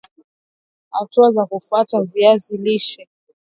Hatua za kufuata za kufuata kutengeneza juisi ya viazi lishe